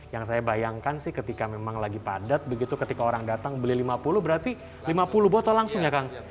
yang saya bayangkan sih ketika memang lagi padat begitu ketika orang datang beli lima puluh berarti lima puluh botol langsung ya kang